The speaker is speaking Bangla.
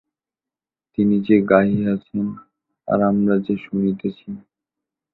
তিনি যে গাহিয়াছেন আর আমরা যে শুনিতেছি।